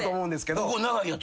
ここ長いやつ？